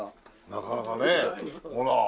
なかなかねほら。